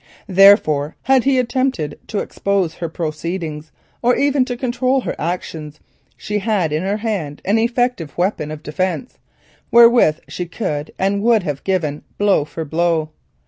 Therefore, had he attempted to expose her proceedings or even to control her actions, she had in her hand an effective weapon of defence wherewith she could and would have given blow for blow.